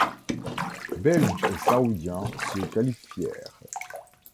Belges et Saoudiens se qualifièrent.